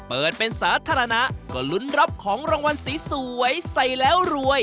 เปิดเป็นสาธารณะก็ลุ้นรับของรางวัลสวยใส่แล้วรวย